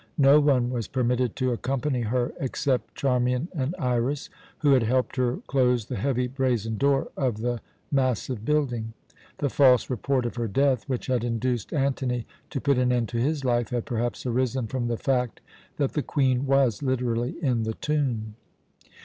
No one was permitted to accompany her except Charmian and Iras, who had helped her close the heavy brazen door of the massive building. The false report of her death, which had induced Antony to put an end to his life, had perhaps arisen from the fact that the Queen was literally in the tomb.